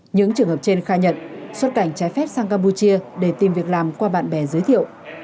những trường hợp trên khai nhận xuất cảnh trái phép sang campuchia để tìm việc làm qua bạn bè giới thiệu